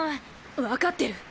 わかってる。